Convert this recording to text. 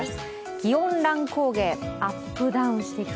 気温乱高下、アップダウンしていくと。